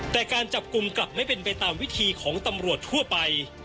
แต่การจับกลุ่มกลับไม่เป็นไปตามวิธีของตำรวจทั่วไป